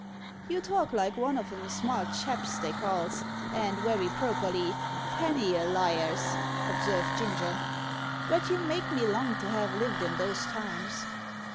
"You talk like one o' them smart chaps they calls, and werry properly, penny a liars," observed Ginger. "But you make me long to ha' lived i' those times."